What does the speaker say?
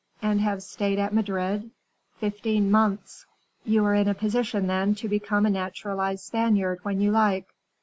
"And have stayed at Madrid?" "Fifteen months." "You are in a position, then, to become a naturalized Spaniard, when you like."